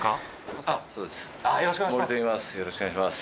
よろしくお願いします。